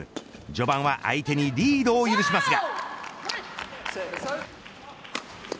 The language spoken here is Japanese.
序盤は相手にリードを許しますが。